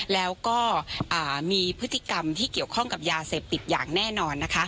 แล้วก็มีพฤติกรรมที่เกี่ยวข้องกับยาเสพติดอย่างแน่นอน